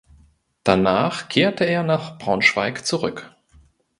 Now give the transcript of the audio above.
Danach kehrte er nach Braunschweig zurück.